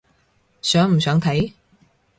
想唔想睇？